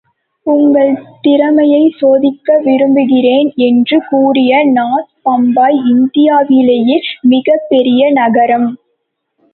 உங்கள் திறமையைச் சோதிக்க விரும்புகிறேன் என்று கூறிய நாஸ் பம்பாய் இந்தியாவிலேயே மிகப் பெரிய நகரம்.